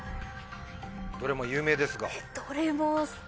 どれも有名ですが。